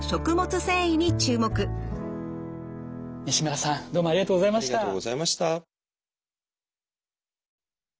西村さんどうもありがとうございました。